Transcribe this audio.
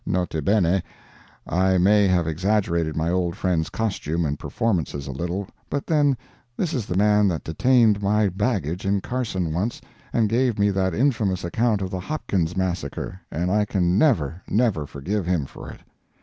N.B.—I may have exaggerated my old friend's costume and performances a little, but then this is the man that detained my baggage in Carson once and gave me that infamous account of the Hopkins massacre, and I can never, never forgive him for it.